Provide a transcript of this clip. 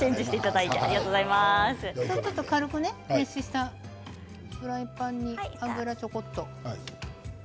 軽く熱したフライパンに油をちょこっと。